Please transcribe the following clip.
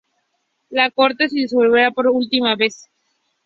La corte se disolvería por última vez.